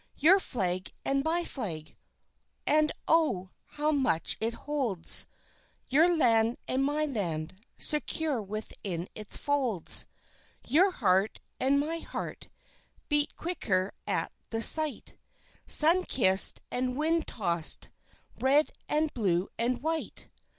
Your flag and my flag! And, oh, how much it holds Your land and my land Secure within its folds! Your heart and my heart Beat quicker at the sight; Sun kissed and wind tossed Red and blue and white.